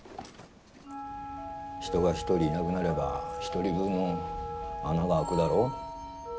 人が１人いなくなれば１人分穴が開くだろ？